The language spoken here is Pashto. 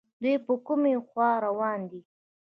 دوی په کومې خوا روان دي